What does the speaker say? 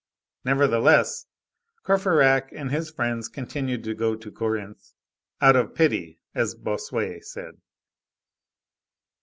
Nevertheless, Courfeyrac and his friends continued to go to Corinthe,—out of pity, as Bossuet said.